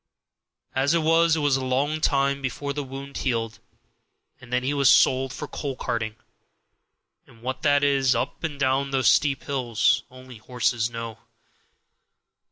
As it was, it was a long time before the wound healed, and then he was sold for coal carting; and what that is, up and down those steep hills, only horses know.